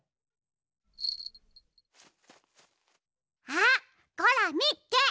あっゴラみっけ！